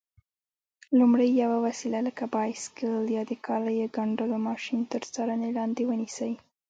لومړی: یوه وسیله لکه بایسکل یا د کالیو ګنډلو ماشین تر څارنې لاندې ونیسئ.